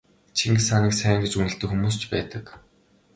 Чингис хааныг сайн гэж үнэлдэг хүмүүс ч байдаг.